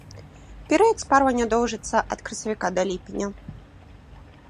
Перыяд спарвання доўжыцца ад красавіка да ліпеня.